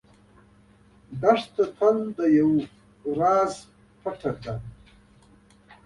دښته تل د یو راز پټه ده.